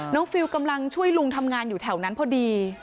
ฟิลกำลังช่วยลุงทำงานอยู่แถวนั้นพอดี